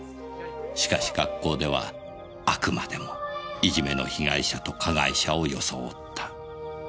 しかし学校ではあくまでもいじめの被害者と加害者を装った。